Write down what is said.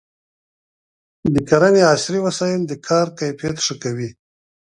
د کرنې عصري وسایل د کار کیفیت ښه کوي.